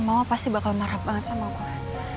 mama pasti bakal marah banget sama allah